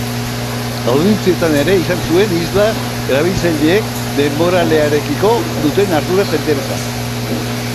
Audientzietan ere izan zuen isla erabiltzaileek denboralearekiko duten ardura eta interesa.